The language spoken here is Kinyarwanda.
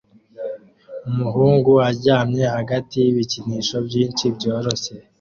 Umuhungu aryamye hagati y'ibikinisho byinshi byoroshye